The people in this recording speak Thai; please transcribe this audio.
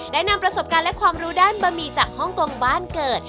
นำประสบการณ์และความรู้ด้านบะหมี่จากฮ่องกงบ้านเกิด